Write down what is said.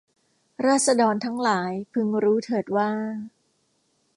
ราษฎรทั้งหลายพึงรู้เถิดว่า